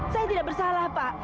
saya tidak bersalah pak